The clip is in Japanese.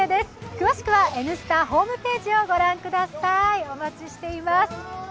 詳しくは「Ｎスタ」ホームページをご覧ください、お待ちしています。